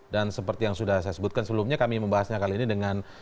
dan seperti yang sudah saya sebutkan sebelumnya kami membahasnya kali ini dengan